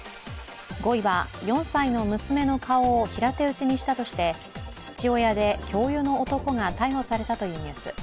５位は４歳の娘の顔を平手打ちしたとして、父親で教諭の男が逮捕されたというニュース。